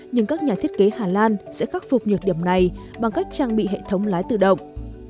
nhưng các nhà thiết kế hà lan sẽ khắc phục nhược điểm này bằng cách trang bị hệ thống lái tự động